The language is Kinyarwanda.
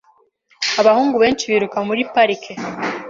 Abahungu benshi biruka muri parike .